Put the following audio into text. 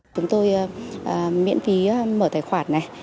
chúng tôi miễn phí mở tài khoản này